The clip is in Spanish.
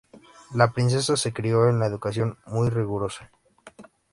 La princesa se crió en la educación muy rigurosa.